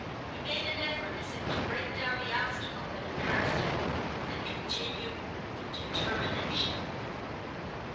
He made an effort, as if to break down the obstacle that embarrassed him, and continued with determination.